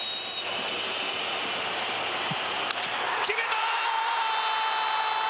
決めた！